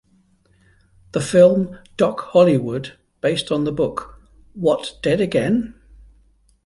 The film "Doc Hollywood," based on the book "What, Dead Again?